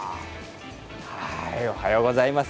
おはようございます。